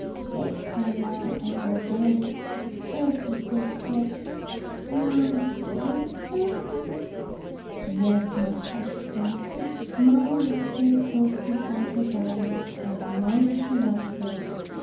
"Say prayer now, and go bed. Elsie feel sick. Mamma, stay wis Elsie?" "Yes, my precious one, mamma will stay close beside her darling as long as she wants her.